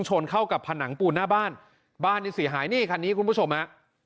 ชนเข้ากับผนังปูนหน้าบ้านบ้านนี่เสียหายนี่คันนี้คุณผู้ชมฮะ